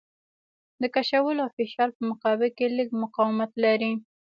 د کشولو او فشار په مقابل کې لږ مقاومت لري.